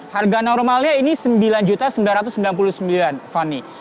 harga normalnya ini sembilan sembilan ratus sembilan puluh sembilan fani